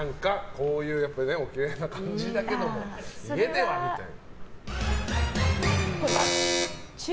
こういうおきれいな感じだけども家ではみたいな。